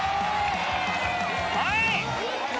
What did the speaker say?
はい。